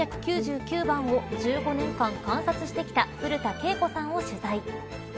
３９９番を１５年間、観察し続けてきた古田恵子さんを取材。